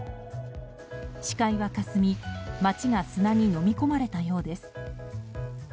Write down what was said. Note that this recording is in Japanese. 視界はかすみ、街が砂にのみ込まれたようです。